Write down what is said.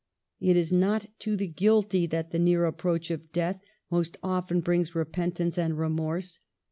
It is not to the guilty that the near approach of death most often brings repentance and remorse.